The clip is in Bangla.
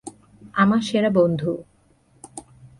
আমার সেরা বন্ধু।